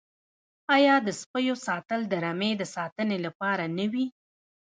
آیا د سپیو ساتل د رمې د ساتنې لپاره نه وي؟